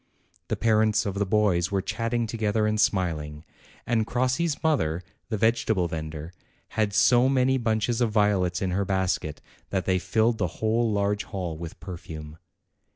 The parents of the boys were chatting together and smiling, and Crossi's mother, the vegetable vendor, had so many bunches of violets in her basket, that they filled the whole large hall with perfume.